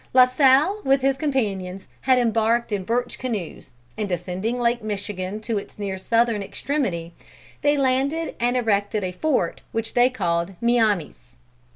La Salle with his companions had embarked in birch canoes, and descending Lake Michigan to near its southern extremity, they landed and erected a fort which they called Miamis.